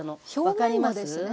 分かります？